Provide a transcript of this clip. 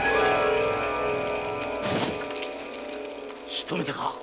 しとめたか？